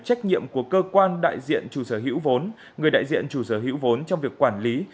trách nhiệm của cơ quan đại diện chủ sở hữu vốn người đại diện chủ sở hữu vốn trong việc quản lý